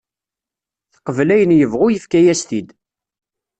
Teqbel ayen yebɣu yefka-as-t-id.